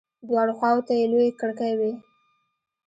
دواړو خواو ته يې لويې کړکۍ وې.